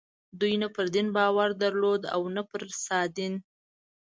دوی نه پر دین باور درلود او نه پر سادین.